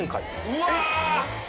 うわ！